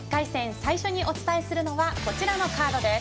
最初にお伝えするのはこちらのカードです。